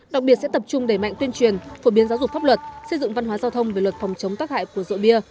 đặc biệt sẽ tập trung đẩy mạnh tuyên truyền phổ biến giáo dục pháp luật xây dựng văn hóa giao thông về luật phòng chống tác hại của rượu bia